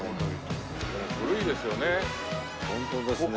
古いですよね。